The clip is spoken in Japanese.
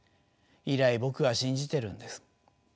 以来僕は信じてるんです。